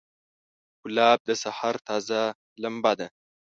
ګلاب د سحر تازه لمبه ده.